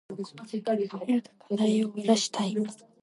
早く課題終わらしたい。